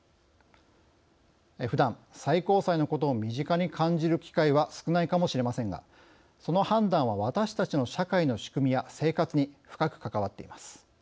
ふだん、最高裁のことを身近に感じる機会は少ないかもしれませんがその判断は私たちの社会の仕組みや生活に深く関わっています。